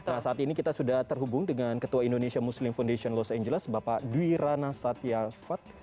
nah saat ini kita sudah terhubung dengan ketua indonesia muslim foundation los angeles bapak duirana satyafat